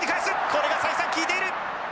これが再三効いている！